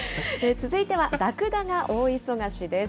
続いてはラクダが大忙しです。